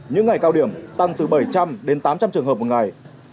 những ngày cao điểm tăng từ bảy trăm linh đến tám trăm linh trường hợp một ngày